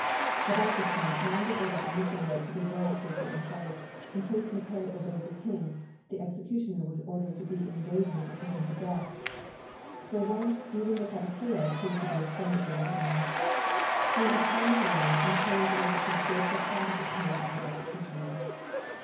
About this time, Mwanga ordered the mis sion boat to be brought to a certain place; in case Mackay obeyed the king, the execu tioner was ordered to be in waiting to put him to death. For once even the katikiro proved to be a friend of the white man. Through his timely warning, Mackay was enabled to escape the plot of the king and executioner.